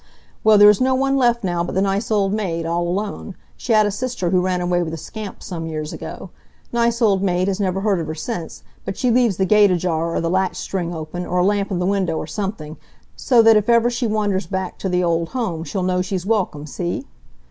Well, there's no one left now but the nice old maid, all alone. She had a sister who ran away with a scamp some years ago. Nice old maid has never heard of her since, but she leaves the gate ajar or the latch string open, or a lamp in the window, or something, so that if ever she wanders back to the old home she'll know she's welcome, see?"